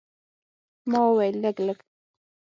ما وویل، لږ، لږ.